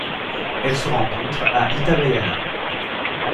Elle se rencontre à Itabaiana.